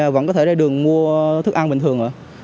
vẫn có thể ra đường mua thức ăn bình thường rồi